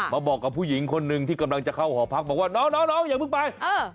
มาบอกกับผู้หญิงคนหนึ่งที่กำลังจะเข้าหอพักบอกว่าน้องอย่าเพิ่งไป